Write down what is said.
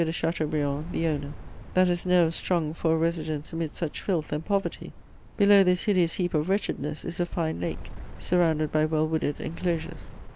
de Chateaubriand, the owner, that has nerves strung for a residence amidst such filth and poverty? Below this hideous heap of wretchedness is a fine lake, surrounded by well wooded inclosures."